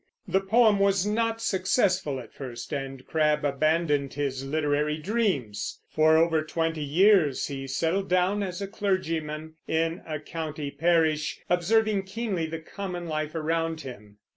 The poem was not successful at first, and Crabbe abandoned his literary dreams. For over twenty years he settled down as a clergyman in a country parish, observing keenly the common life about him.